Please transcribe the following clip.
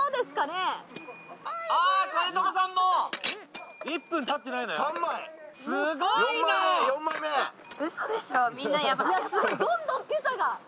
すごいどんどんピザが。